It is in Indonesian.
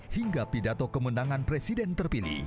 hingga pidato kemenangan presiden terpilih